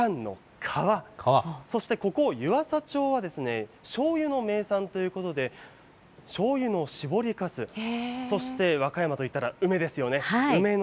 ミカンの皮、そしてここ、湯浅町はですね、しょうゆの名産ということで、しょうゆのしぼりかす、そして和歌山といったら梅ですよね。